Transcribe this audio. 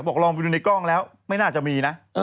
ลองไปดูในกล้องแล้วไม่น่าจะมีนะ